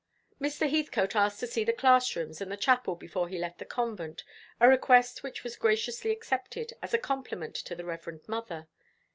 Mr. Heathcote asked to see the class rooms and the chapel before he left the convent, a request which was graciously accepted, as a compliment to the Reverend Mother.